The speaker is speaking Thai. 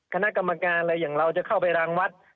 คณะกรรมการอะไรอย่างเราจะเข้าไปรางวัด